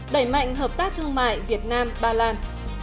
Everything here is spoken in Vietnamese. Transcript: đẩy mạnh hợp tác thương mại việt nam ba lan